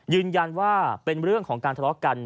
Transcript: ยืนยันว่าเป็นเรื่องของการทะเลาะกัน